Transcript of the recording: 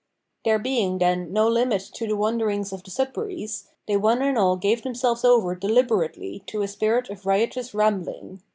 There being, then, no limit to the wanderings of the Sudberrys, they one and all gave themselves over deliberately to a spirit of riotous rambling.